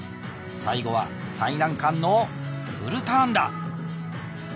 最後は最難関のフルターンだ。